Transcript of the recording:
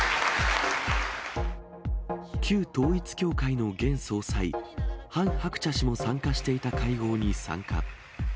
旧統一教会の現総裁、ハン・ハクチャ氏も参加していた会合に参加。